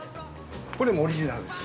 これもオリジナルです。